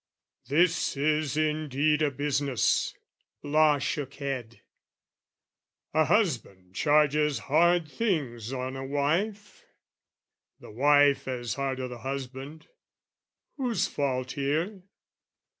"This is indeed a business" law shook head: "A husband charges hard things on a wife, "The wife as hard o' the husband: whose fault here?